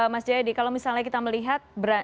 mas jayadi kalau misalnya kita melihat